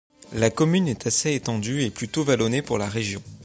La commune est assez étendue et plutôt vallonnée pour la région.